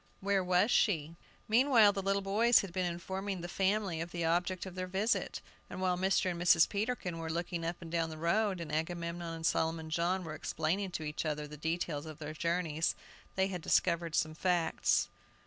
Where was she? Meanwhile the little boys had been informing the family of the object of their visit, and while Mr. and Mrs. Peterkin were looking up and down the road, and Agamemnon and Solomon John were explaining to each other the details of their journeys, they had discovered some facts.